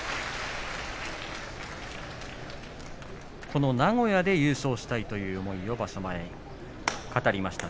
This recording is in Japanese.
この名古屋で優勝したいという思いを場所前に語りました